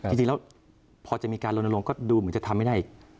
จริงแล้วพอจะมีการลนลงก็ดูเหมือนจะทำไม่ได้